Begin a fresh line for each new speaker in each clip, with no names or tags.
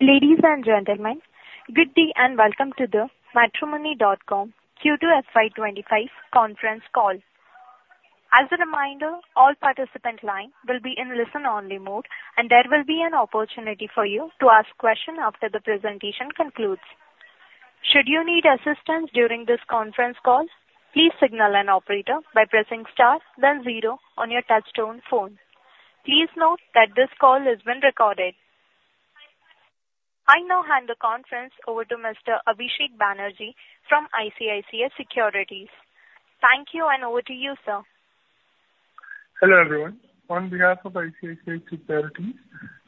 Ladies and gentlemen, good day and welcome to the Matrimony.com Q2 FY25 Conference Call. As a reminder, all participant lines will be in listen-only mode, and there will be an opportunity for you to ask questions after the presentation concludes. Should you need assistance during this conference call, please signal an operator by pressing star, then zero on your touch-tone phone. Please note that this call is being recorded. I now hand the conference over to Mr. Abhishek Banerjee from ICICI Securities. Thank you, and over to you, sir.
Hello everyone. On behalf of ICICI Securities,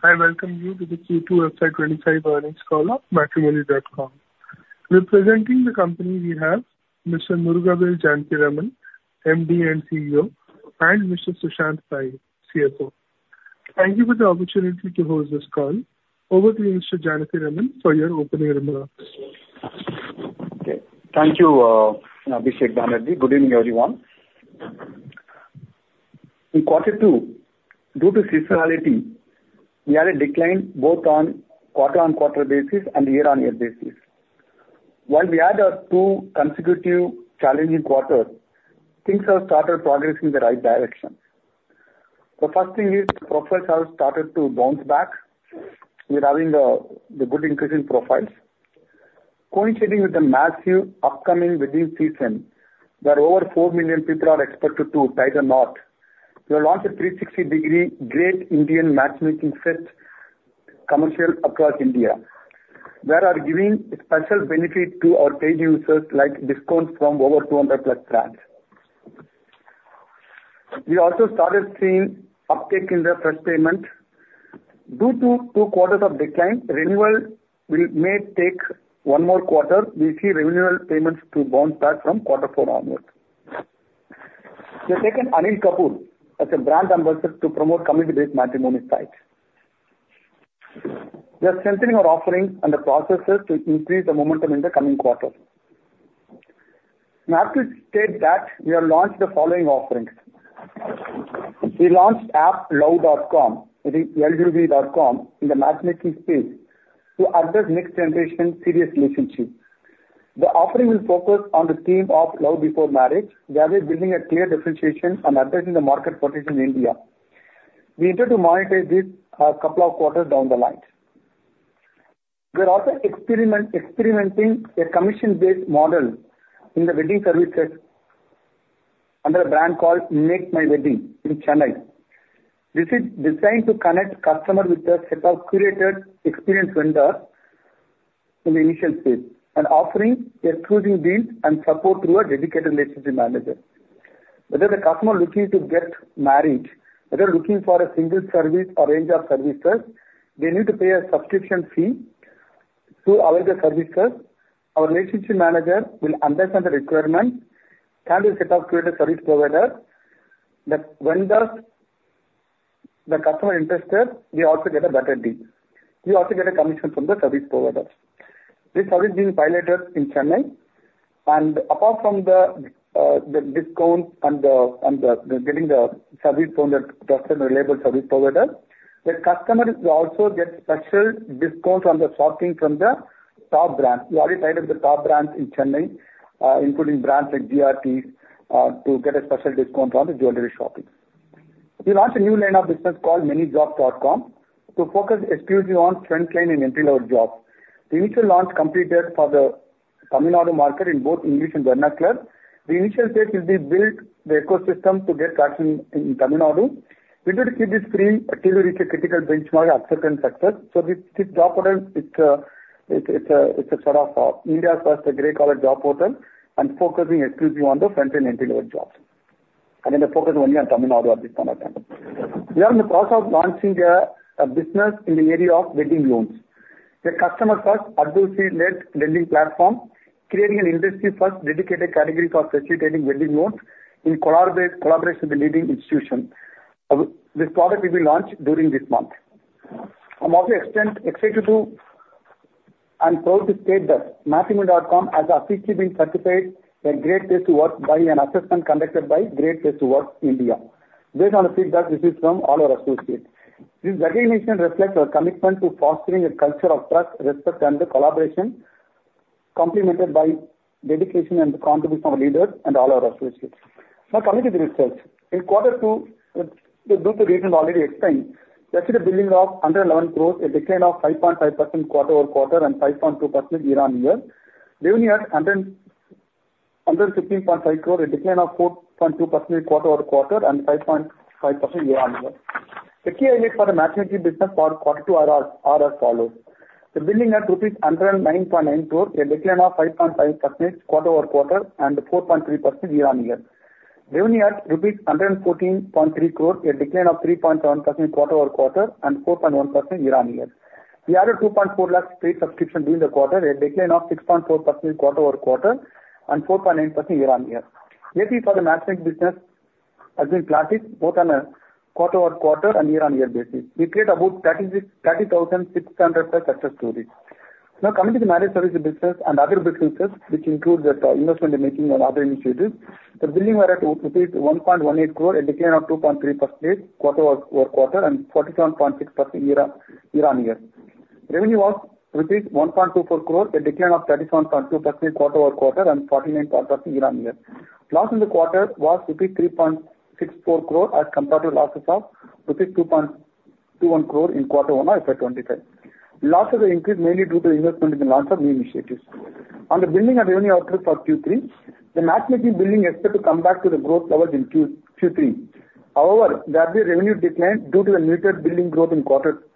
I welcome you to the Q2 FY25 earnings call of Matrimony.com. Representing the company we have, Mr. Murugavel Janakiraman, MD and CEO, and Mr. Sushanth Pai, CFO. Thank you for the opportunity to host this call. Over to you, Mr. Janakiraman, for your opening remarks.
Okay. Thank you, Abhishek Banerjee. Good evening, everyone. In Q2, due to seasonality, we had a decline both on quarter-on-quarter basis and year-on-year basis. While we had two consecutive challenging quarters, things have started progressing in the right direction. The first thing is the profiles have started to bounce back. We're having a good increase in profiles. Coinciding with the massive upcoming wedding season where over 4 million people are expected to tie the knot, we launched a 360-degree Great Indian Matchmaking Fest commercial across India that are giving special benefits to our paid users like discounts from over 200-plus brands. We also started seeing uptake in the first payment. Due to two quarters of decline, renewal may take one more quarter. We see renewal payments to bounce back from Q4 onwards. The second, Anil Kapoor, as a brand ambassador to promote community-based matrimony sites. We are strengthening our offerings and the processes to increase the momentum in the coming quarter. Not to state that, we have launched the following offerings. We launched app Luv.com, Luv.com, in the matchmaking space to address next-generation serious relationships. The offering will focus on the theme of "Love Before Marriage," that is, building a clear differentiation and addressing the market opportunities in India. We intend to monitor this a couple of quarters down the line. We're also experimenting a commission-based model in the wedding services under a brand called "Make My Wedding" in Chennai. This is designed to connect customers with the set of curated, experienced vendors in the initial stage and offering exclusive deals and support through a dedicated relationship manager. Whether the customer is looking to get married, whether looking for a single service or range of services, they need to pay a subscription fee to avail the services. Our relationship manager will understand the requirements, handle the setup with the service provider, that when the customer is interested, they also get a better deal. We also get a commission from the service providers. This service is being piloted in Chennai, and apart from the discount and getting the service from the trusted and reliable service provider, the customer also gets special discounts on the shopping from the top brands. We already piloted the top brands in Chennai, including brands like GRTs, to get a special discount on the jewelry shopping. We launched a new line of business called ManyJobs.com to focus exclusively on frontline and entry-level jobs. The initial launch completed for the Tamil Nadu market in both English and vernacular. The initial stage will build the ecosystem to get traction in Tamil Nadu. We need to keep this free till we reach a critical benchmark of acceptance success. So this job portal is a sort of India's first grey-collar job portal and focusing exclusively on the frontline and entry-level jobs. And then the focus is only on Tamil Nadu at this point in time. We are in the process of launching a business in the area of wedding loans. The customer-first alternative lending platform, creating an industry-first dedicated category for facilitating wedding loans in collaboration with the leading institution. This product will be launched during this month. I'm also excited to do and proud to state that Matrimony.com has officially been certified a great place to work by an assessment conducted by Great Place to Work India. Based on the feedback received from all our associates, this recognition reflects our commitment to fostering a culture of trust, respect, and collaboration, complemented by dedication and contribution of leaders and all our associates. Now, coming to the results, in Q2, due to the reasons already explained, we actually had a billing of 111 crores, a decline of 5.5% quarter-over-quarter and 5.2% year-on-year. Revenue at 115.5 crores, a decline of 4.2% quarter-over-quarter and 5.5% year-on-year. The key highlights for the matchmaking business for Q2 are as follows. The billing at rupees 109.9 crores, a decline of 5.5% quarter-over-quarter and 4.3% year-on-year. Revenue at rupees 114.3 crores, a decline of 3.7% quarter-over-quarter and 4.1% year-on-year. We added 2.4 lakh paid subscriptions during the quarter, a decline of 6.4% quarter-over-quarter and 4.9% year-on-year. Lately, for the matchmaking business, it has been sluggish both on a quarter-over-quarter and year-on-year basis. We created about 30,600 plus success stories. Now, coming to the marriage services business and other businesses, which includes investment in Make My Wedding and other initiatives, the billing was at 1.18 crores, a decline of 2.3% quarter-over-quarter and 47.6% year-on-year. Revenue was rupees 1.24 crores, a decline of 37.2% quarter-over-quarter and 49.5% year-on-year. Loss in the quarter was 3.64 crores as compared to losses of 2.21 crores in Q1 of FY25. Losses increased mainly due to the investment in the launch of new initiatives. On the billing and revenue outlook for Q3, the matchmaking billing expected to come back to the growth levels in Q3. However, there will be a revenue decline due to the muted billing growth in Q2.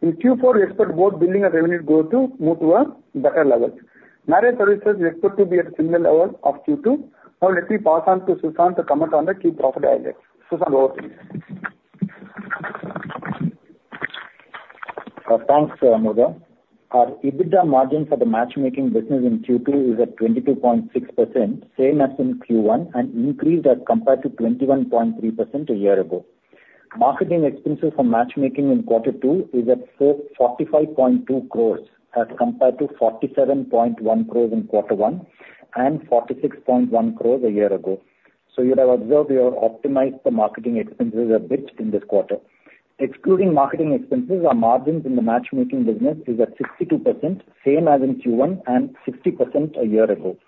In Q4, we expect both billing and revenue growth to move to a better level. Marriage services are expected to be at a similar level of Q2. Now, let me pass on to Sushanth to comment on the Q2 profit highlights. Sushanth, over to you.
Thanks, Murugavel. Our EBITDA margin for the matchmaking business in Q2 is at 22.6%, same as in Q1, and increased as compared to 21.3% a year ago. Marketing expenses for matchmaking in Q2 is at 45.2 crores as compared to 47.1 crores in Q1 and 46.1 crores a year ago. So you have observed we have optimized the marketing expenses a bit in this quarter. Excluding marketing expenses, our margins in the matchmaking business are at 62%, same as in Q1 and 60% a year ago.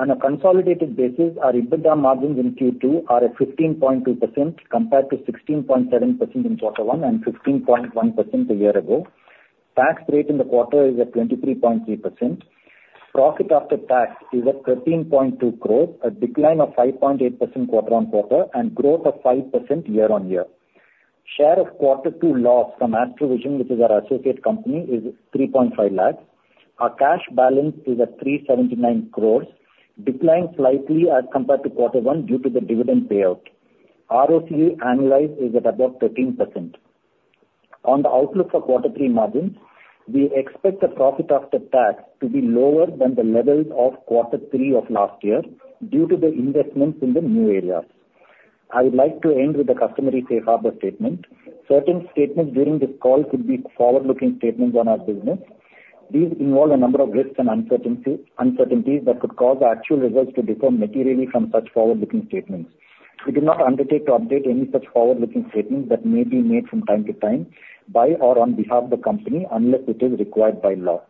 On a consolidated basis, our EBITDA margins in Q2 are at 15.2% compared to 16.7% in Q1 and 15.1% a year ago. Tax rate in the quarter is at 23.3%. Profit after tax is at 13.2 crores, a decline of 5.8% quarter-on-quarter and growth of 5% year-on-year. Share of Q2 loss from Astro-Vision, which is our associate company, is 3.5 lakhs. Our cash balance is at 379 crores, declining slightly as compared to Q1 due to the dividend payout. ROCE annualized is at about 13%. On the outlook for Q3 margins, we expect the profit after tax to be lower than the levels of Q3 of last year due to the investments in the new areas. I would like to end with a customary Safe Harbor statement. Certain statements during this call could be forward-looking statements on our business. These involve a number of risks and uncertainties that could cause actual results to differ materially from such forward-looking statements. We do not undertake to update any such forward-looking statements that may be made from time to time by or on behalf of the company unless it is required by law.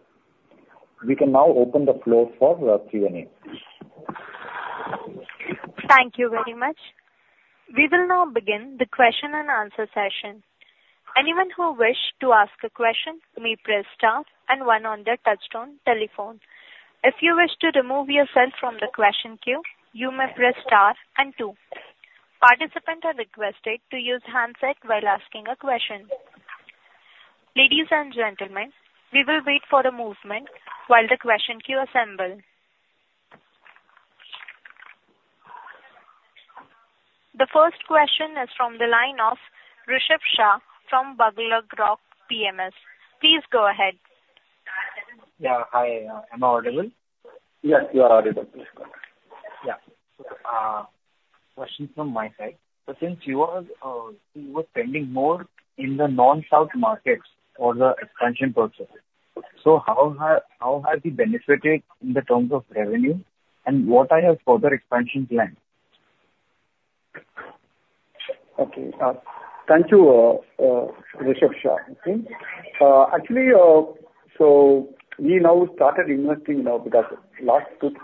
We can now open the floor for Q&A.
Thank you very much. We will now begin the question-and-answer session. Anyone who wishes to ask a question may press star and one on the touch-tone telephone. If you wish to remove yourself from the question queue, you may press star and two. Participants are requested to use handsets while asking a question. Ladies and gentlemen, we will wait for the moment while the question queue assembles. The first question is from the line of Rushabh Shah from Buglerock PMS. Please go ahead.
Yeah. Hi. Am I audible?
Yes, you are audible.
Yeah. Question from my side. So since you were spending more in the non-South markets for the expansion purpose, so how have you benefited in the terms of revenue and what are your further expansion plans?
Okay. Thank you, Rushabh Shah. Actually, so we now started investing now because last week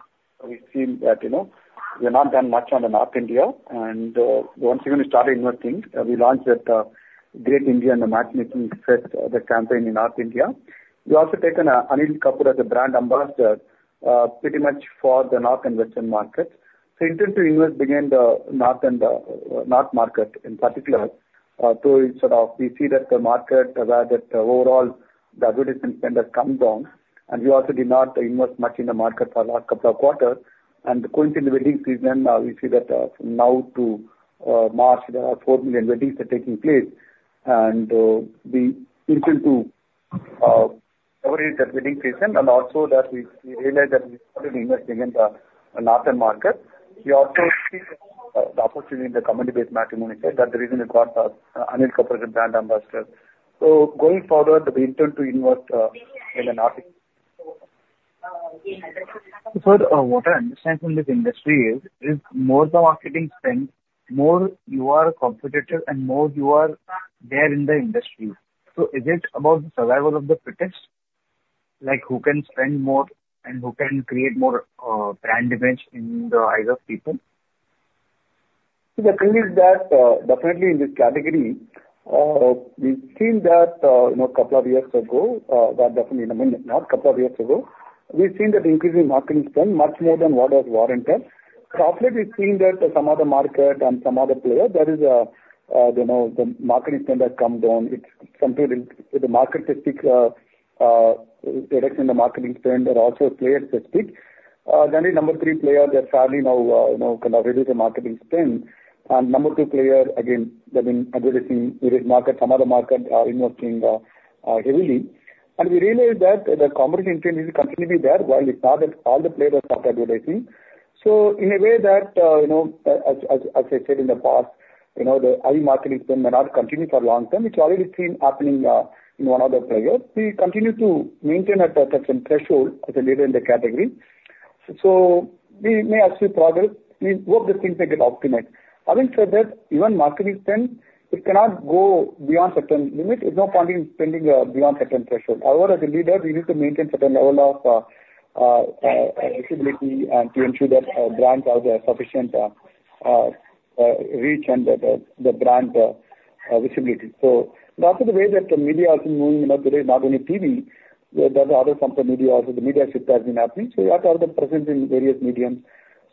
we've seen that we're not that much on the North India, and once again, we started investing. We launched a Great Indian Matchmaking Fest, the campaign in North India. We also taken Anil Kapoor as a brand ambassador pretty much for the North and Western markets. So we intend to invest again in the North India market in particular. So in spite of we see that the market where that overall the advertising spend has come down, and we also did not invest much in the market for the last couple of quarters. And going to the wedding season, we see that from now to March, there are four million weddings taking place, and we intend to cover that wedding season and also that we realize that we started investing in the Northern market. We also see the opportunity in the community-based matrimony set, that the reason we got Anil Kapoor as a brand ambassador, so going forward, we intend to invest in the North.
Sir, what I understand from this industry is more the marketing spend, more you are competitive, and more you are there in the industry. So is it about the survival of the fittest? Like who can spend more and who can create more brand image in the eyes of people?
The thing is that definitely in this category, we've seen that a couple of years ago, not a couple of years ago, we've seen that increase in marketing spend much more than what was warranted. Lately we've seen that some other market and some other players, that is the marketing spend has come down. It's something with the market per se, reducing the marketing spend, but also players per se. Then the number three player, they're sadly now kind of reducing marketing spend. And number two player, again, they've been advertising in this market. Some other markets are investing heavily. And we realize that the competition continues to be there while it's not that all the players are advertising. So in a way that, as I said in the past, the high marketing spend may not continue for long term. It's already seen happening in one of the players. We continue to maintain a certain threshold as a leader in the category. So we may have seen progress. We hope these things may get optimized. Having said that, even marketing spend, it cannot go beyond a certain limit. There's no point in spending beyond a certain threshold. However, as a leader, we need to maintain a certain level of visibility and to ensure that brands have sufficient reach and the brand visibility. So that's the way that the media has been moving today, not only TV, but other media also, the media shift has been happening. So you have to have the presence in various mediums.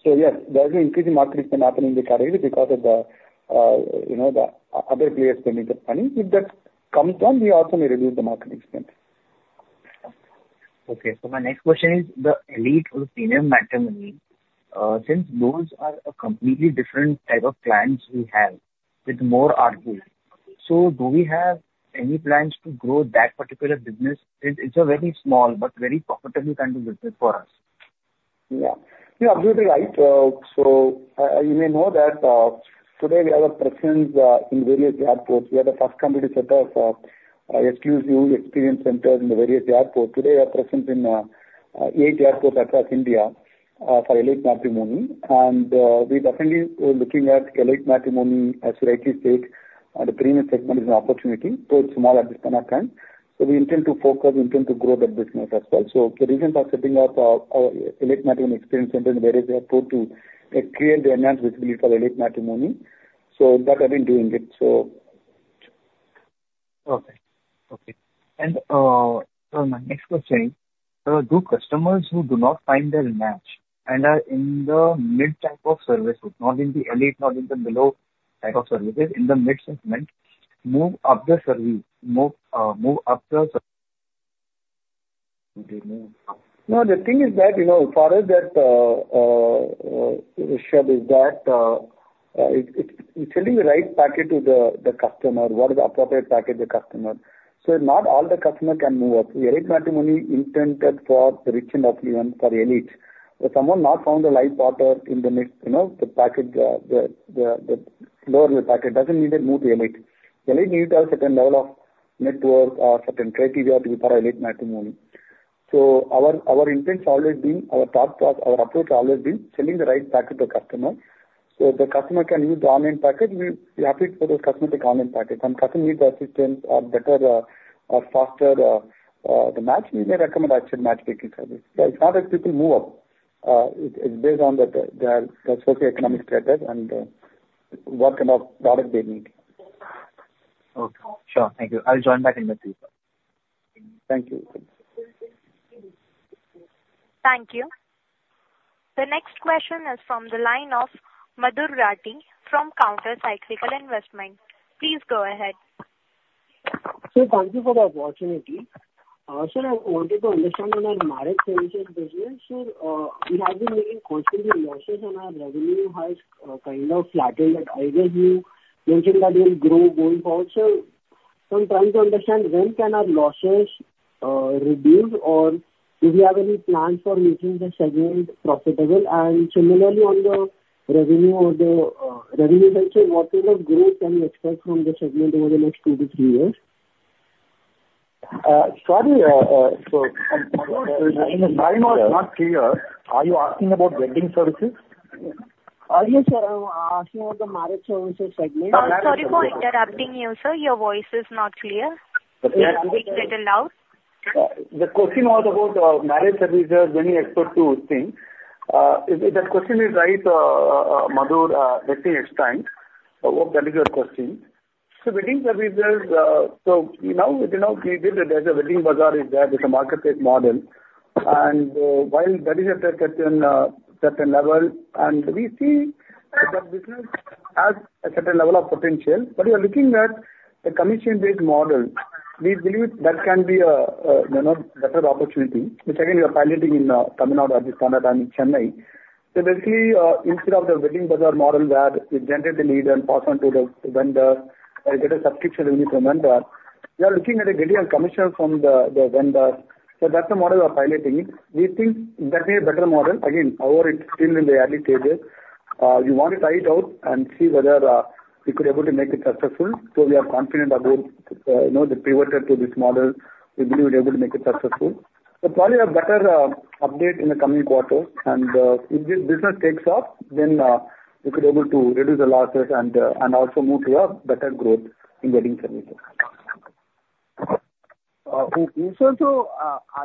So yes, there's an increase in marketing spend happening in the category because of the other players spending the money. If that comes down, we also may reduce the marketing spend.
Okay. So my next question is the elite or premium matrimony. Since those are a completely different type of plans we have with more artwork, so do we have any plans to grow that particular business since it's a very small but very profitable kind of business for us?
Yeah. You're absolutely right. So you may know that today we have a presence in various airports. We are the first company to set up exclusive experience centers in the various airports. Today, we have presence in eight airports across India for EliteMatrimony. And we definitely are looking at EliteMatrimony as rightly stated. The premium segment is an opportunity, though it's small at this point in time. So we intend to focus, we intend to grow the business as well. So the reasons for setting up our EliteMatrimony experience center in various airports to create the enhanced visibility for EliteMatrimony. So that I've been doing it, so.
Okay. Okay. And my next question is, do customers who do not find their match and are in the mid type of services, not in the elite, not in the below type of services, in the mid segment, move up the service?
No, the thing is that for us that Rushabh is that it's selling the right package to the customer, what is the appropriate package to the customer. So not all the customers can move up. The EliteMatrimony intended for the rich and affluent, for elite. If someone not found a life partner in the mainstream package, the lower package doesn't need to move to elite. EliteMatrimony needs to have a certain level of net worth or certain criteria to be part of EliteMatrimony. So our intent has always been, our approach has always been selling the right package to the customer. So the customer can use the online package. We have to put those customers on the online package. Some customers need the assistance or better or faster. The matchmaking may recommend assisted matchmaking service. It's not that people move up. It's based on their socioeconomic status and what kind of product they need.
Okay. Sure. Thank you. I'll join back in a bit.
Thank you.
Thank you. The next question is from the line of Madhur Rathi from Counter Cyclical Investments. Please go ahead.
Sir, thank you for that opportunity. Sir, I wanted to understand on our marriage services business. Sir, we have been making constantly losses, and our revenue has kind of flattened. I guess you mentioned that it will grow going forward. Sir, sometimes I understand when can our losses reduce or if we have any plans for making the segment profitable? And similarly, on the revenue or the revenue side, sir, what kind of growth can we expect from the segment over the next two to three years?
Sorry, so my line was not clear. Are you asking about wedding services?
Are you, sir? I'm asking about the marriage services segment.
Sorry for interrupting you, sir. Your voice is not clear. Can you speak a little louder?
The question was about marriage services, when you expect to think. If that question is right, Madhur, let me explain. I hope that is your question. So wedding services, so now we have a WeddingBazaar. It's there with a marketplace model. And while that is at a certain level, and we see that business has a certain level of potential. But we are looking at the commission-based model. We believe that can be a better opportunity. The second, we are piloting in Tamil Nadu, Rajasthan, and Chennai. So basically, instead of the WeddingBazaar model where we generate the lead and pass on to the vendor and get a subscription from the vendor, we are looking at getting a commission from the vendor. So that's the model we are piloting. We think that may be a better model. Again, however, it's still in the early stages. We want to try it out and see whether we could be able to make it successful. So we are confident about the pivot to this model. We believe we're able to make it successful. So probably a better update in the coming quarters, and if this business takes off, then we could be able to reduce the losses and also move to a better growth in wedding services.
Okay. So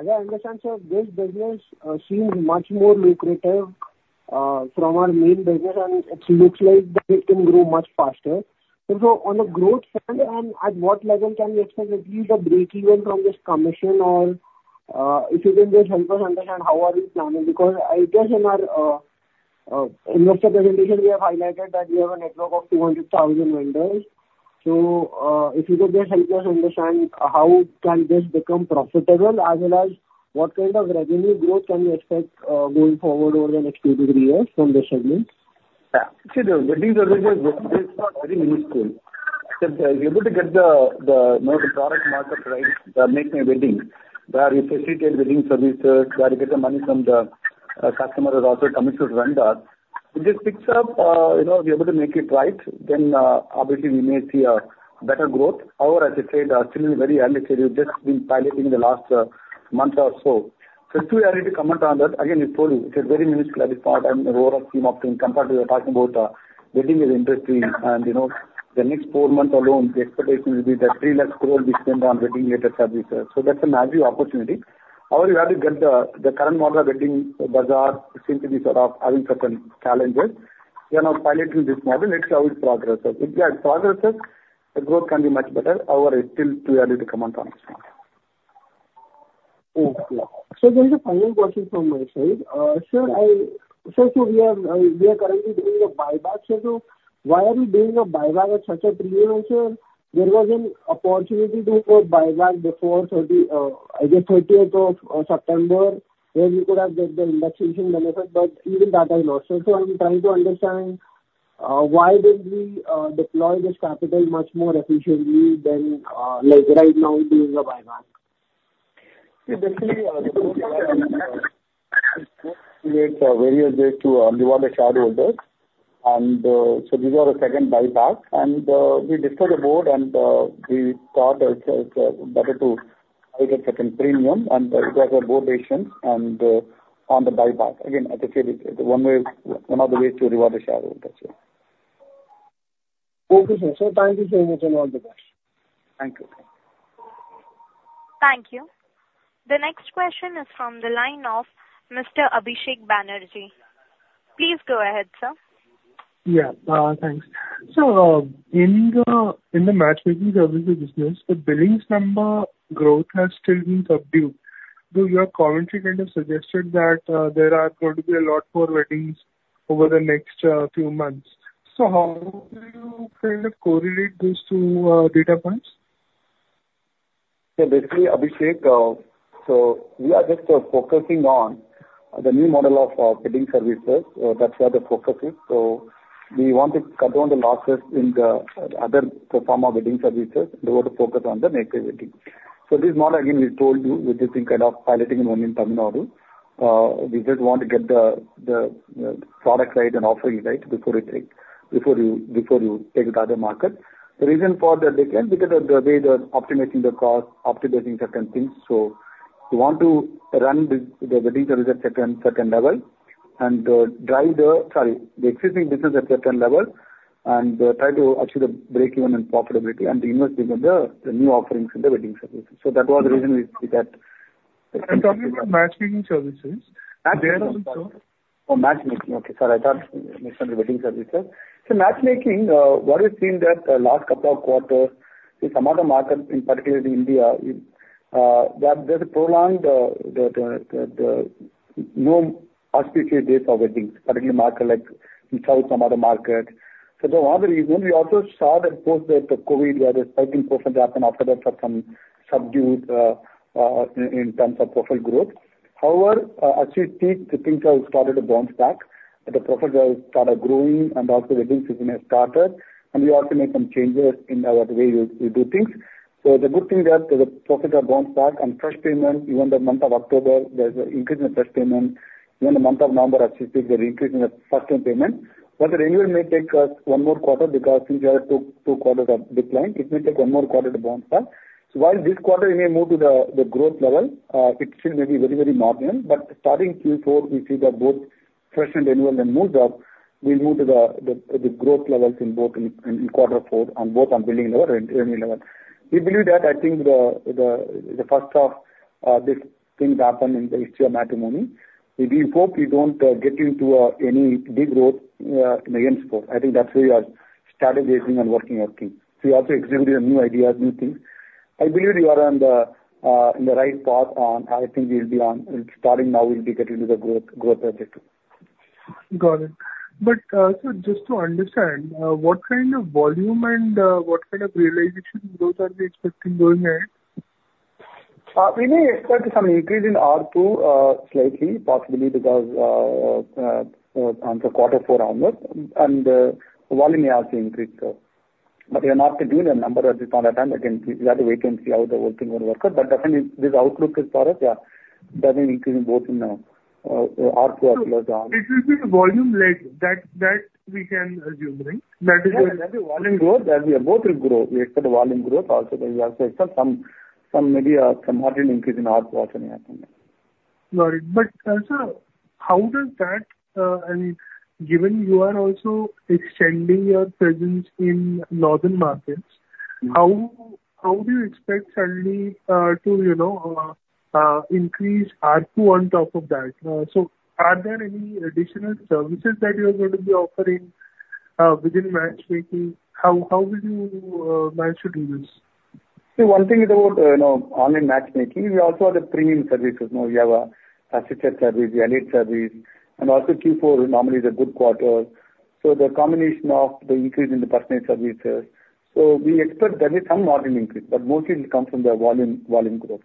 as I understand, sir, this business seems much more lucrative from our main business, and it looks like it can grow much faster. So on the growth front, at what level can we expect at least a breakeven from this commission? Or if you can just help us understand how are we planning? Because I guess in our investor presentation, we have highlighted that we have a network of 200,000 vendors. So if you could just help us understand how can this become profitable, as well as what kind of revenue growth can we expect going forward over the next two to three years from this segment?
Yeah. See, the wedding services is very useful. If you're able to get the product market right, Make My Wedding where you facilitate wedding services, where you get the money from the customer who also comes to the vendor, it just picks up. If you're able to make it right, then obviously we may see a better growth. However, as I said, still in the very early stage. We've just been piloting for the last month or so. So too early to comment on that. Again, we told you, it is very minuscule at this point in the world of the matrimony option compared to talking about wedding industry. And the next four months alone, the expectation will be that 3 lakh crores will be spent on wedding-related services. So that's a massive opportunity. However, we have to get the current model of WeddingBazaar seems to be sort of having certain challenges. We are now piloting this model. Let's see how it progresses. If we have progresses, the growth can be much better. However, it's still too early to comment on this one.
Okay. So just a final question from my side. Sir, so we are currently doing a buyback. So why are we doing a buyback at such a premium? And sir, there was an opportunity to do a buyback before, I guess, 30th of September, where we could have got the exemption benefit, but even that has not. So I'm trying to understand why didn't we deploy this capital much more efficiently than right now doing a buyback?
Basically, it creates a barrier to only one shareholder, and so this was a second buyback, and we discussed the board, and we thought it's better to have a certain premium, and it was a board decision on the buyback. Again, as I said, it's one of the ways to reward the shareholders.
Okay. Sir, thank you so much and all the best.
Thank you.
Thank you. The next question is from the line of Mr. Abhishek Banerjee. Please go ahead, sir.
Yeah. Thanks. So in the matchmaking services business, the billing number growth has still been subdued. Though your commentary kind of suggested that there are going to be a lot more weddings over the next few months. So how do you kind of correlate those two data points?
Yeah. Basically, Abhishek, so we are just focusing on the new model of wedding services. That's where the focus is, so we want to cut down the losses in the other form of wedding services in order to focus on the native wedding. So this model, again, we told you, we're just kind of piloting it only in Tamil Nadu. We just want to get the product right and offering right before you take it to other markets. The reason for that is because of the way they're optimizing the cost, optimizing certain things, so we want to run the wedding services at a certain level and drive the, sorry, the existing business at a certain level and try to achieve a breakeven in profitability and investing in the new offerings in the wedding services. So that was the reason we said.
Talking about matchmaking services, there also.
Matchmaking. Oh, matchmaking. Okay. Sorry, I thought you mentioned the wedding services. So matchmaking, what we've seen that the last couple of quarters, in some other markets, particularly in India, that there's a prolonged no auspicious days for weddings, particularly markets like in South, some other markets. So that was the reason. We also saw that post the COVID, where the spiking profile happened, after that, some subdued in terms of profile growth. However, as we speak, the things have started to bounce back. The profile has started growing, and also wedding season has started. And we also made some changes in the way we do things. So the good thing is that the profiles have bounced back. And fresh payment, even the month of October, there's an increase in the fresh payment. Even the month of November, as you speak, there's an increase in the first-time payment. But the renewal may take us one more quarter because since the other two quarters have declined, it may take one more quarter to bounce back. So while this quarter, it may move to the growth level, it still may be very, very marginal. But starting Q4, we see that both fresh and renewal that moves up, we move to the growth levels in Q4, both on billing level and renewal level. We believe that, I think, the first of this thing that happened in the history of matrimony. We hope we don't get into any degrowth in the end score. I think that's where we are strategizing and working our thing. So we also exhibited new ideas, new things. I believe we are on the right path. I think we'll be starting now, we'll be getting to the growth objective.
Got it, but sir, just to understand, what kind of volume and what kind of realization growth are we expecting going ahead?
We may expect some increase in ARPU slightly, possibly because of the Q4 onwards. And the volume may also increase. But we are not to do the number at this point in time. Again, we have to wait and see how the whole thing will work out. But definitely, this outlook is for us, yeah, definitely increasing both in ARPU as well as volume.
It is in the volume leg that we can assume, right? That is your.
That is volume growth. As we are both grow, we expect the volume growth also. We also expect some, maybe, some margin increase in ARPU also may happen.
Got it. But sir, how does that, I mean, given you are also extending your presence in northern markets, how do you expect suddenly to increase ARPU on top of that? So are there any additional services that you are going to be offering within matchmaking? How will you manage to do this?
See, one thing is about online matchmaking. We also have the premium services. We have a premium service, the elite service, and also Q4 normally is a good quarter, so the combination of the increase in the premium services, so we expect there will be some margin increase, but mostly it will come from the volume growth.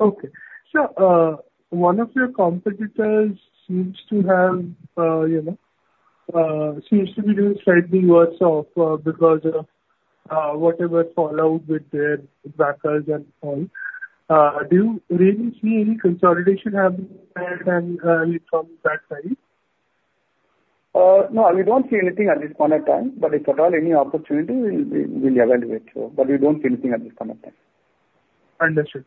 Okay. Sir, one of your competitors seems to be doing slightly worse off because of whatever fallout with their backers and all. Do you really see any consolidation happening from that side?
No, we don't see anything at this point in time. But if at all, any opportunity, we'll evaluate. But we don't see anything at this point in time.
Understood.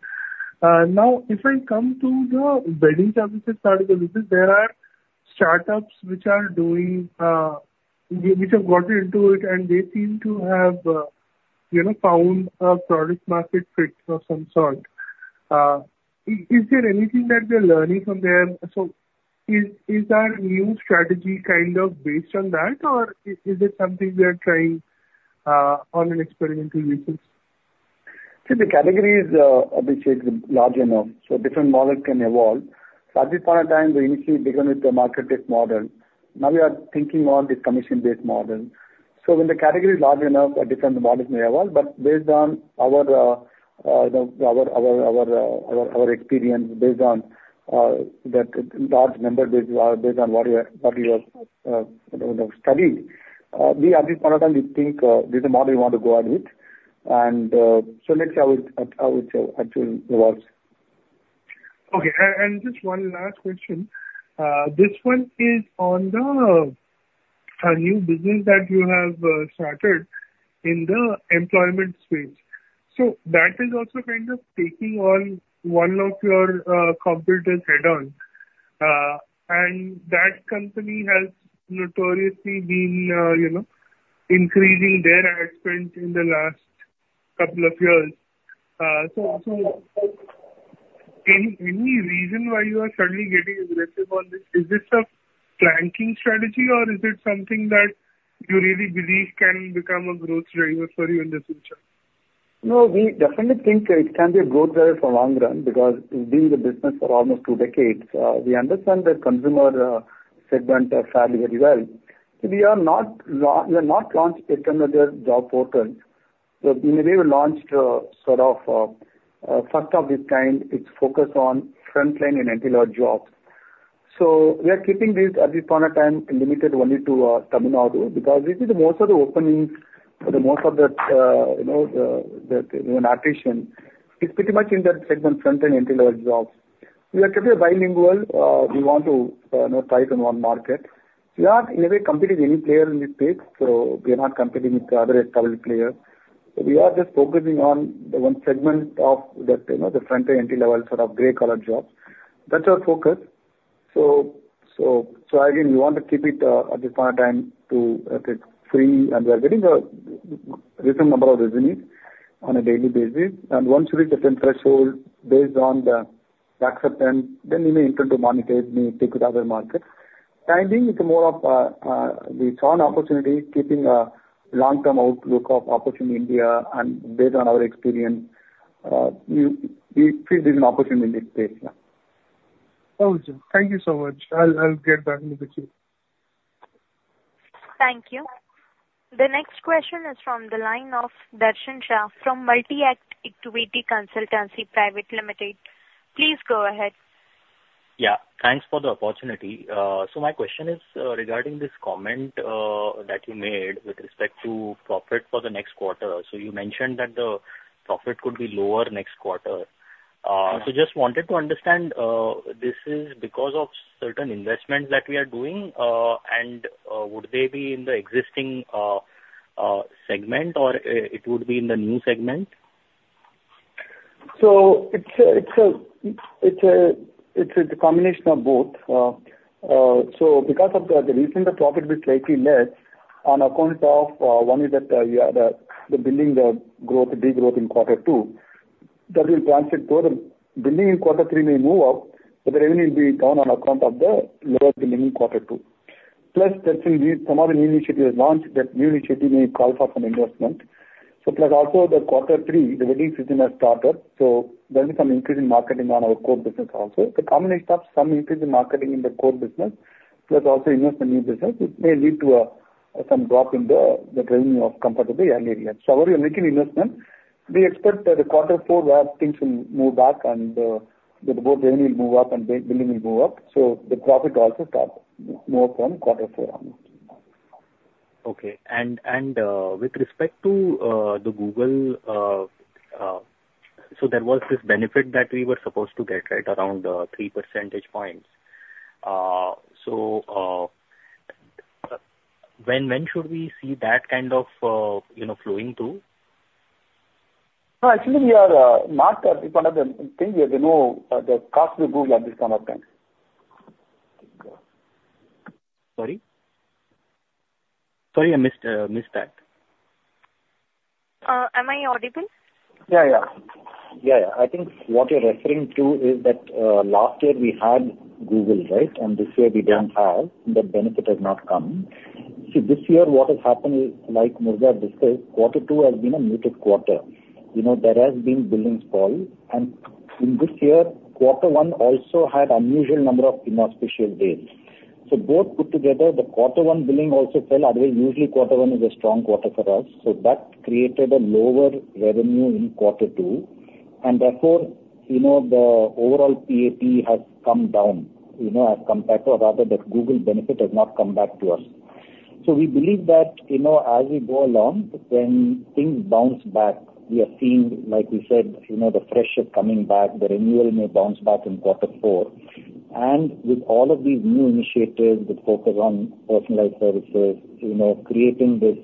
Now, if I come to the wedding services side of the business, there are startups which have gotten into it, and they seem to have found a product market fit of some sort. Is there anything that they're learning from there? So is our new strategy kind of based on that, or is it something we are trying on an experimental basis?
See, the category is, Abhishek, large enough. So different models can evolve. So at this point in time, we initially began with the market-based model. Now we are thinking on the commission-based model. So when the category is large enough, different models may evolve. But based on our experience, based on that large number, based on what we were studying, we at this point in time, we think this is the model we want to go ahead with. And so let's see how it actually evolves.
Okay. And just one last question. This one is on the new business that you have started in the employment space. So that is also kind of taking on one of your competitors' head on. And that company has notoriously been increasing their ad spend in the last couple of years. So any reason why you are suddenly getting aggressive on this? Is this a parking strategy, or is it something that you really believe can become a growth driver for you in the future?
No, we definitely think it can be a growth driver for the long run because we've been in the business for almost two decades. We understand the consumer segment fairly well. We have launched it internally as a job portal. So we may have launched sort of the first of this kind. It's focused on frontline and entry-level jobs. So we are keeping these at this point in time limited only to Tamil Nadu because we see that most of the openings, most of the applicants, it's pretty much in that segment, frontline and entry-level jobs. We are trying to be bilingual. We want to try it on one market. We are in a way competing with any player in this space. So we are not competing with other established players. We are just focusing on the one segment of the frontline and entry-level sort of grey-collar jobs. That's our focus. So again, we want to keep it at this point in time to free, and we are getting a decent number of resumes on a daily basis. And once we reach a certain threshold based on the acceptance, then we may intend to monetize and take it to other markets. Timing, it's more of we saw an opportunity, keeping a long-term outlook of opportunity in India, and based on our experience, we feel there's an opportunity in this space.
Okay. Thank you so much. I'll get back in touch with you.
Thank you. The next question is from the line of Darshan Shah from Multi-Act Equity Consultancy Private Limited. Please go ahead.
Yeah. Thanks for the opportunity. So my question is regarding this comment that you made with respect to profit for the next quarter. So you mentioned that the profit could be lower next quarter. So just wanted to understand, this is because of certain investments that we are doing, and would they be in the existing segment, or it would be in the new segment?
So it's a combination of both. So because of the recent, the profit will slightly less on account of one is that we are billing the growth, the degrowth in Q2. That will transition further. Billing in Q3 may move up, but the revenue will be down on account of the lower billing in Q2. Plus, some of the new initiatives launched, that new initiative may call for some investment. So plus also the Q3, the wedding season has started. So there will be some increase in marketing on our core business also. The combination of some increase in marketing in the core business, plus also investment in new business, it may lead to some drop in the revenue of comparatively earlier years. So however, we are making investment. We expect that the Q4 where things will move back and the revenue will move up and billing will move up. So the profit also starts more from Q4 onwards.
Okay. And with respect to the Google, so there was this benefit that we were supposed to get, right, around 3 percentage points. So when should we see that kind of flowing through?
Actually, we are not at this point of time. The thing is, the cost of Google at this point of time.
Sorry? Sorry, I missed that.
Am I audible?
Yeah, yeah. Yeah, yeah. I think what you're referring to is that last year we had Google, right? And this year we don't have. The benefit has not come. See, this year what has happened is, like Murugavel described, Q2 has been a muted quarter. There has been billing fall. And in this year, Q1 also had an unusual number of inauspicious days. So both put together, the Q1 billing also fell. Otherwise, usually Q1 is a strong quarter for us. So that created a lower revenue in Q2. And therefore, the overall PAT has come down. As compared to our other, the Google benefit has not come back to us. So we believe that as we go along, when things bounce back, we are seeing, like we said, the fresh subs coming back, the renewal may bounce back in Q4. With all of these new initiatives with focus on personalized services, creating this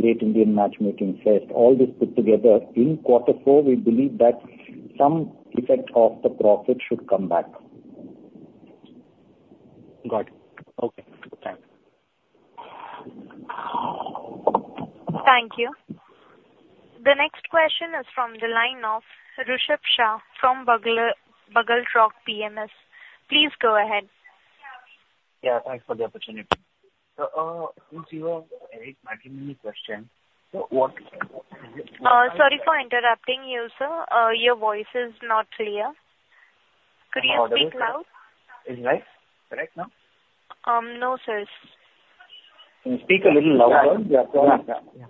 Great Indian Matchmaking Fest, all this put together in Q4, we believe that some effect of the profit should come back.
Got it. Okay. Thank you.
Thank you. The next question is from the line of Rushabh Shah from Buglerock PMS. Please go ahead.
Yeah. Thanks for the opportunity. So since you are asking me a question, so what is it?
Sorry for interrupting you, sir. Your voice is not clear. Could you speak loud?
Is it right now?
No, sir.
Can you speak a little louder? Yeah.
Yeah.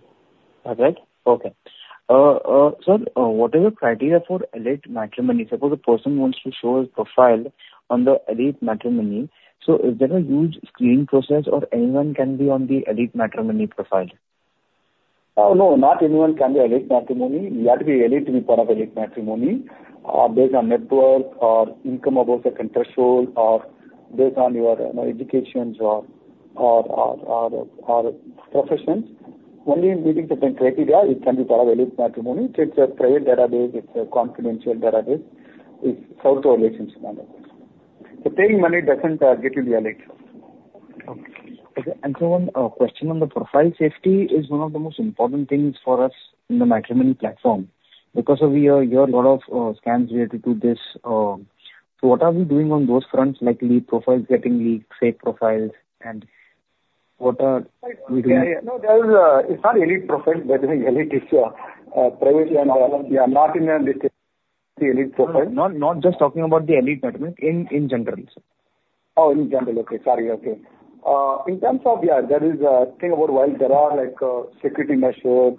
That's right. Okay. Sir, what are your criteria for EliteMatrimony? Suppose a person wants to show his profile on the EliteMatrimony. So is there a huge screening process or anyone can be on the EliteMatrimony profile?
No, no. Not anyone can be EliteMatrimony. You have to be elite to be part of EliteMatrimony, based on network or income above a certain threshold or based on your education or professions. Only meeting certain criteria, you can be part of EliteMatrimony. It's a private database. It's a confidential database. It's sort of relationship. So paying money doesn't get you the elite.
Okay. One question on the profile safety is one of the most important things for us in the matrimony platform because of a lot of scams related to this. What are we doing on those fronts, like leaked profiles getting leaked, fake profiles, and what are we doing?
No, it's not elite profiles. By the way, elite is private and all. We are not in the elite profile.
Not just talking about the EliteMatrimony, in general, sir.
In terms of, yeah, there is a thing about while there are security measures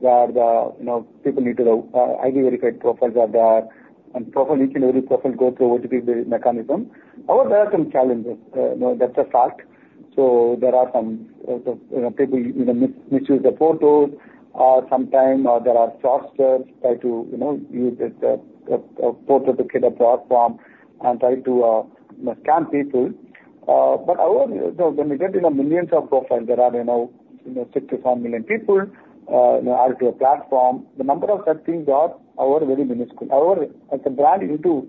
where people need to know ID-verified profiles are there and each and every profile goes through OTP mechanism. However, there are some challenges. That's a fact. So there are some people misuse the photos sometimes, or there are scammers try to use the photo to create a profile and try to scam people. But when we get into millions of profiles, there are six to seven million people added to a platform. The number of such things are very minuscule. However, as a brand, you need to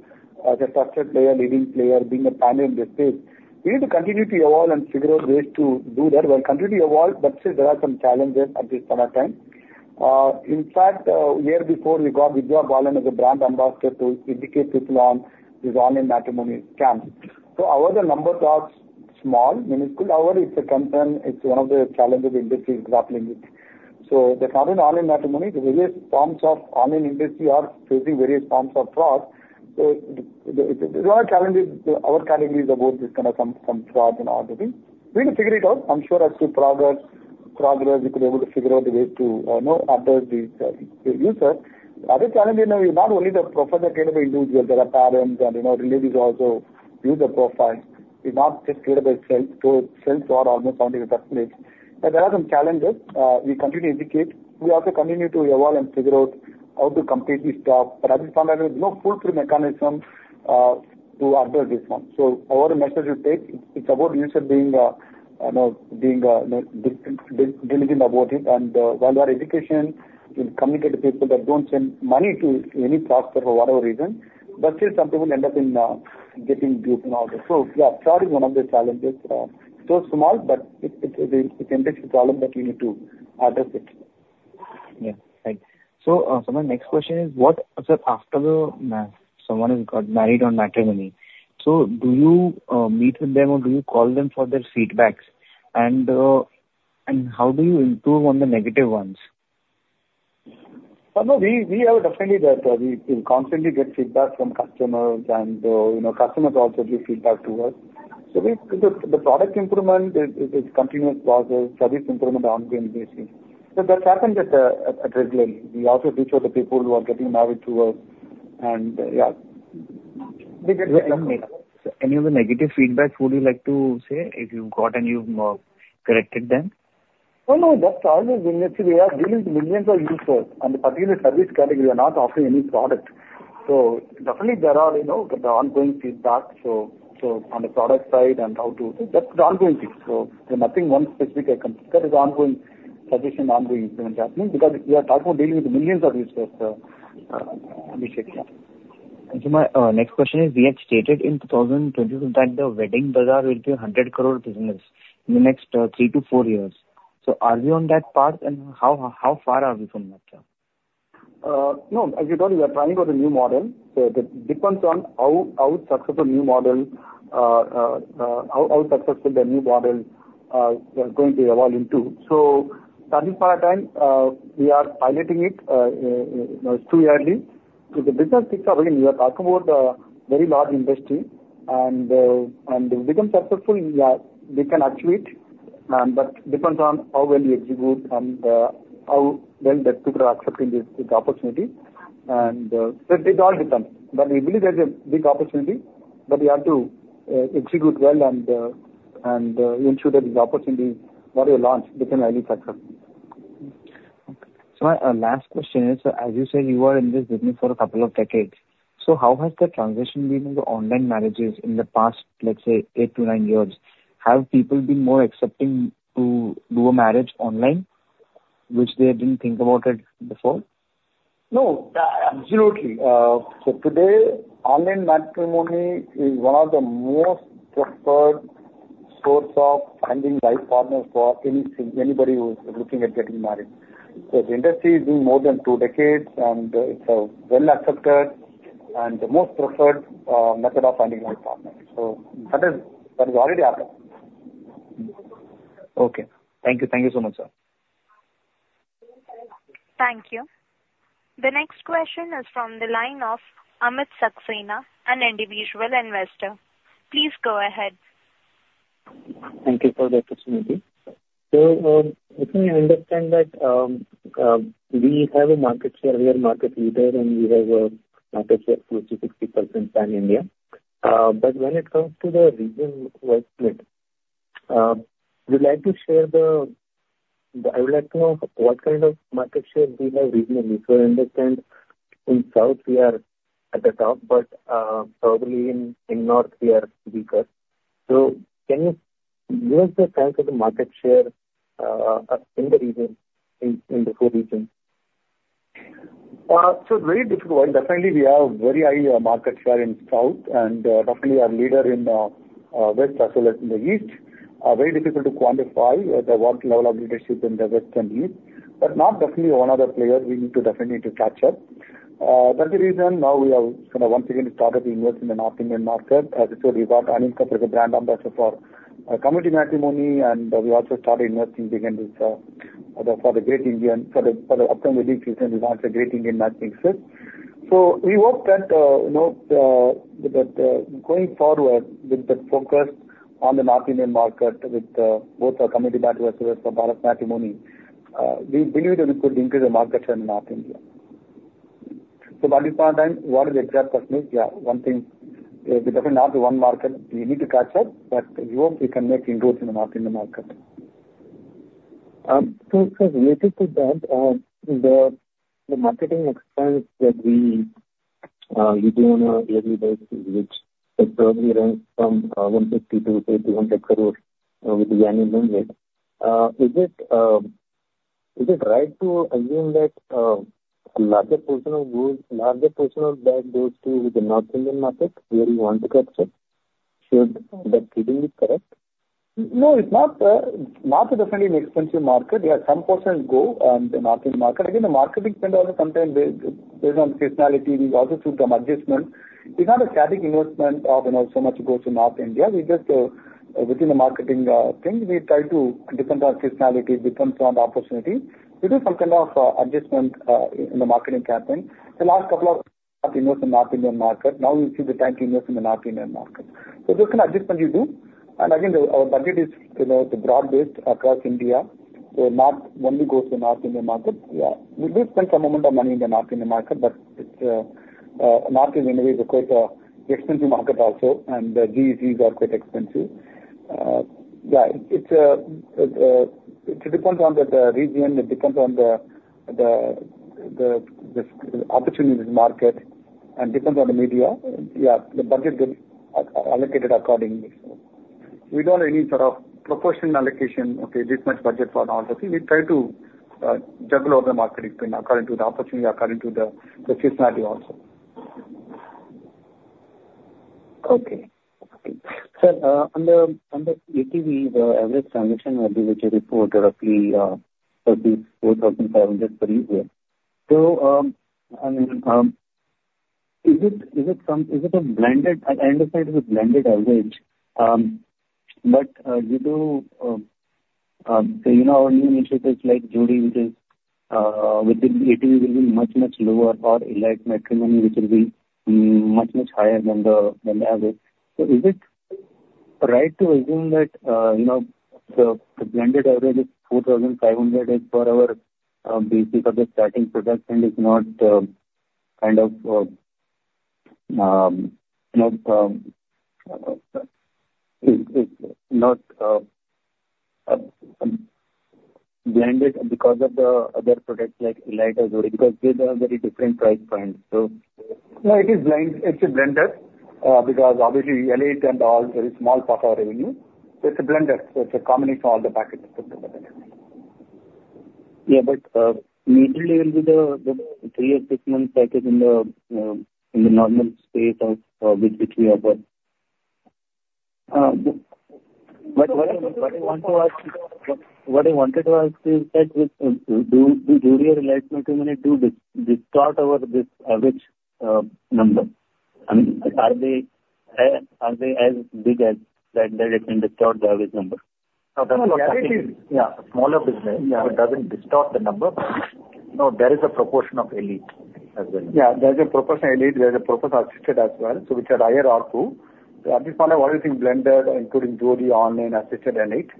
be a trusted player, leading player, being a pioneer in this space. We need to continue to evolve and figure out ways to do that while continuing to evolve. But still, there are some challenges at this point in time. In fact, a year before, we got Vidya Balan as a brand ambassador to educate people on these online matrimony scams. So our number of those is small, minuscule. However, it's a concern. It's one of the challenges the industry is grappling with. So there's not only online matrimony. The various forms of online industry are facing various forms of fraud. So there are challenges. Our category is about this kind of some fraud and all the things. We need to figure it out. I'm sure as we progress, we could be able to figure out the ways to address these users. Other challenges, we're not only the profiles are created by individuals. There are parents and relatives also use the profile. We're not just created by self or almost founding a person. There are some challenges. We continue to educate. We also continue to evolve and figure out how to completely stop, but at this point, there is no foolproof mechanism to address this one, so our message will take it's about users being diligent about it, and while we are educating, we will communicate to people that don't send money to any stranger for whatever reason, but still, some people end up in getting duped and all that, so yeah, fraud is one of the challenges, so small, but it's an interesting problem that we need to address it.
Yeah. Right. So my next question is, what after someone has got married on matrimony? So do you meet with them or do you call them for their feedbacks? And how do you improve on the negative ones?
No, we have definitely that we constantly get feedback from customers. Customers also give feedback to us. The product improvement is continuous process. Service improvement ongoing basis. That's happened regularly. We also reach out to people who are getting married to us. Yeah, we get feedback.
So, any of the negative feedback, would you like to say if you've got and you've corrected them?
Oh, no. That's always the thing. See, we are dealing with millions of users. And the particular service category, we are not offering any product. So definitely, there are ongoing feedback. So on the product side and how to that's the ongoing thing. So there's nothing one specific I can say. That is ongoing suggestion, ongoing improvement happening because we are talking about dealing with millions of users.
So my next question is, we had stated in 2022 that the WeddingBazaar will be a 100-crore business in the next three to four years. So are we on that path? And how far are we from that?
No. As you told me, we are trying out a new model. So it depends on how successful the new model is going to evolve into. So at this point in time, we are piloting it two-yearly. If the business picks up again, we are talking about a very large industry. And if we become successful, yeah, we can achieve it. But it depends on how well we execute and how well the people are accepting this opportunity. And so it all depends. But we believe there's a big opportunity. But we have to execute well and ensure that this opportunity when we launch becomes highly successful.
So my last question is, as you said, you are in this business for a couple of decades. So how has the transition been in the online marriages in the past, let's say, eight to nine years? Have people been more accepting to do a marriage online, which they didn't think about it before?
No. Absolutely. So today, online matrimony is one of the most preferred sources of finding life partners for anybody who is looking at getting married. So the industry has been more than two decades, and it's well accepted and the most preferred method of finding life partners. So that has already happened.
Okay. Thank you. Thank you so much, sir.
Thank you. The next question is from the line of Amit Saxena, an individual investor. Please go ahead.
Thank you for the opportunity. So if I understand that we have a market share, we are market leaders, and we have a market share of 50%, 60% in India. But when it comes to the regional split, would you like to share the, I would like to know what kind of market share we have regionally. So I understand in the south, we are at the top, but probably in the north, we are weaker. So can you give us the sense of the market share in the region, in the four regions?
It is very difficult. Definitely, we have a very high market share in the south, and definitely our leader in the west as well as in the east. Very difficult to quantify the level of leadership in the west and east. But now, definitely, one of the players we need to definitely catch up. That is the reason now we have kind of once again started to invest in the North Indian market. As I said, we got Anil Kapoor, the brand ambassador for Community Matrimony, and we also started investing again for the Great Indian - for the upcoming wedding season, we launched a Great Indian Matchmaking Fest. So we hope that going forward with the focus on the North Indian market with both our Community Matrimony as well as our Bharat Matrimony, we believe that we could increase the market share in North India. So by this point in time, what are the exact questions? Yeah. One thing, we definitely have the one market. We need to catch up, but we hope we can make inroads in the North Indian market.
So related to that, the marketing expense that you do on a yearly basis, which probably ranges from 150 to 80-100 crores with the annual mandate, is it right to assume that a larger portion of that goes to the North Indian market where you want to capture? Should that reasoning be correct?
No, it's not. North is definitely an expensive market. There are some portions go in the North Indian market. Again, the marketing spend also sometimes depends on the seasonality. We also took some adjustments. It's not a static investment of so much goes to North India. We just, within the marketing thing, we try to. Depends on seasonality, depends on opportunity. We do some kind of adjustment in the marketing campaign. The last couple of years in the North Indian market. Now we see the time to invest in the North Indian market, so those kind of adjustments we do, and again, our budget is broad-based across India, so not only goes to the North Indian market. Yeah. We do spend some amount of money in the North Indian market, but North India is a quite expensive market also, and GECs are quite expensive. Yeah. It depends on the region. It depends on the opportunity in the market and it depends on the media. Yeah. The budget gets allocated accordingly, so we don't have any sort of proportional allocation, okay, this much budget for all those things. We try to juggle all the marketing spend according to the opportunity, according to the seasonality also.
Okay. Sir, on the ATV, the average transaction will be which I report roughly will be 4,500 per year. So is it a blended? I understand it is a blended average. But you do say our new initiatives like Jodii, which is within ATV, will be much, much lower or EliteMatrimony, which will be much, much higher than the average. So is it right to assume that the blended average is 4,500 for our basis of the starting product and it's not kind of blended because of the other products like EliteMatrimony or Jodii because they are very different price points?
So it is blended. It's a blended because obviously, EliteMatrimony and all is a small part of our revenue. So it's a blended. So it's a combination of all the packages. Yeah.
But monthly, will the three or six months package in the normal space of which we have? What I wanted to ask is that do Jodii or EliteMatrimony distort over this average number? I mean, are they as big that they can distort the average number?
No, no. The elite is, yeah, a smaller business. So it doesn't distort the number. No, there is a proportion of elite as well.
Yeah. There's a proportion of elite. There's a proportion of assisted as well, so which are higher ARPU. So at this point, I've already seen blended, including Jodii, online, assisted, elite.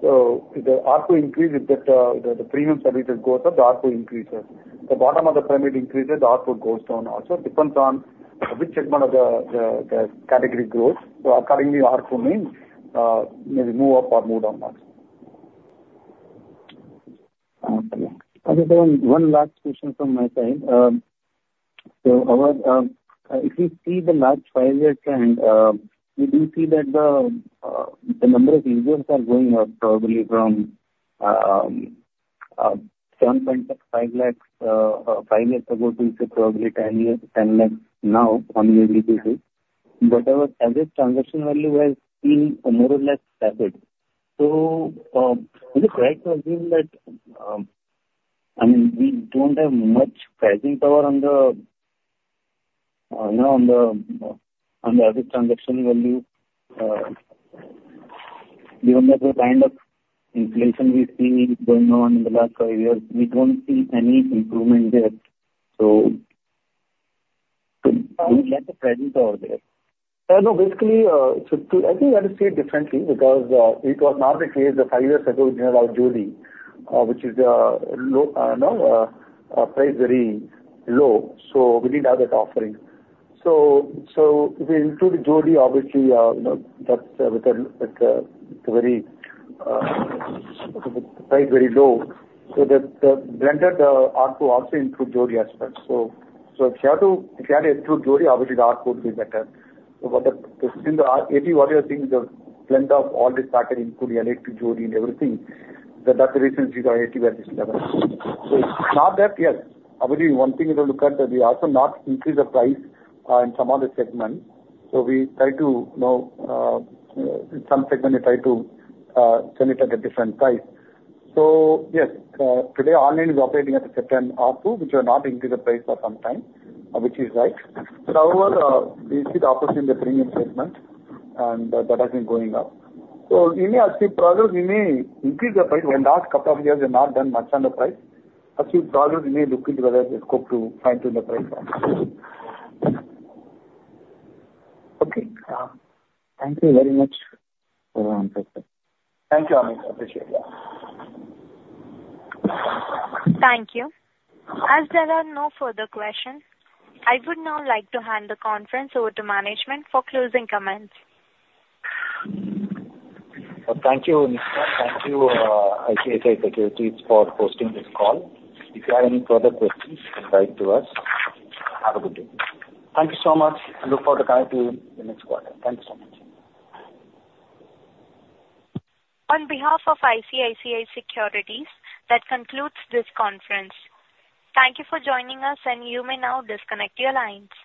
So the ARPU increases if the premium services goes up, the ARPU increases. The bottom of the pyramid increases, the ARPU goes down also. It depends on which segment of the category grows. So accordingly, ARPU may move up or move down also.
Okay. One last question from my side. So if we see the last five-year trend, we do see that the number of users are going up probably from 7.5 lakhs five years ago to probably 10 lakhs now on a yearly basis. But our average transaction value has been more or less stable. So is it right to assume that, I mean, we don't have much pricing power on the average transaction value given the kind of inflation we see going on in the last five years? We don't see any improvement there. So do we lack the pricing power there?
No, basically, I think we have to see it differently because it was not the case five years ago with Jodii or Jodii, which is priced very low. So we didn't have that offering. So if we include Jodii, obviously, that's with a very low price very low. So the blended ARPU also includes Jodii as well. So if you had to include Jodii, obviously, the ARPU would be better. But if you want to think the blend of all these factors includes Elite to Jodii and everything, that's the reason we got ATV at this level. So it's not that, yes. Obviously, one thing is to look at that we also not increase the price in some other segments. So we try to, in some segments, we try to sell it at a different price. So yes, today, online is operating at a certain ARPU, which we have not increased the price for some time, which is right. But however, we see the opportunity in the premium segment, and that has been going up. So we may achieve progress. We may increase the price. In the last couple of years, we have not done much on the price. We may look into whether there's scope to fine-tune the price also.
Okay. Thank you very much for your answers, sir.
Thank you, Amit. Appreciate it.
Thank you. As there are no further questions, I would now like to hand the conference over to management for closing comments.
Thank you, ICICI Securities, for hosting this call. If you have any further questions, you can write to us. Have a good day.
Thank you so much. Look forward to coming to the next quarter. Thank you so much.
On behalf of ICICI Securities, that concludes this conference. Thank you for joining us, and you may now disconnect your lines.